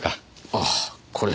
あぁこれ。